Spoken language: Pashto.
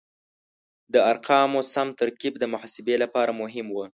د ارقامو سم ترکیب د محاسبې لپاره مهم و.